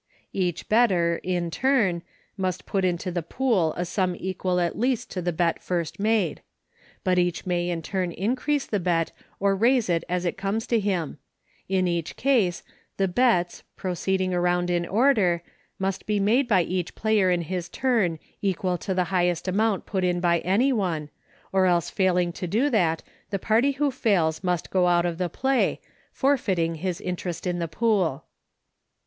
139 Each better, in turn, must put into the pool a sum equal at least to the first bet made; but each may in turn increase the bet or raise it as it comes to him ; in which case, the bets, pro ceeding around in order, must be made by each player in his turn equal to the highest amount put in by any one, or else failing to do that, the party who fails must go out of the play, forfeiting his interest in the pool.